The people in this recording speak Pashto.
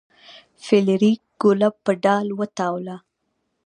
فلیریک ګوله په ډال وتاوله.